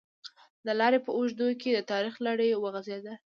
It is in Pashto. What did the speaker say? د لارې په اوږدو کې د تاریخ لړۍ وغزېدله.